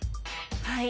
はい。